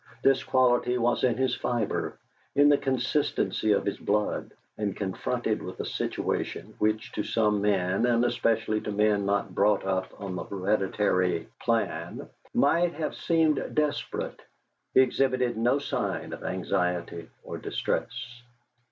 This quality was in his fibre, in the consistency of his blood, and confronted with a situation which, to some men, and especially to men not brought up on the hereditary plan, might have seemed desperate, he exhibited no sign of anxiety or distress.